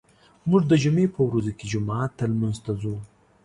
موږ د جمعې په ورځو کې جومات ته لمونځ ته ځو.